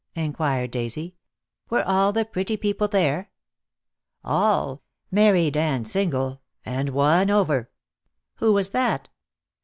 inquired Daisy. "Were all the pretty people there?" "All, married and single — and one over." "Who was that?"